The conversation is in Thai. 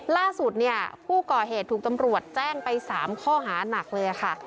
ล่าสุดเนี่ยผู้ก่อเหตุถูกตำรวจแจ้งไป๓ข้อหานักเลยค่ะ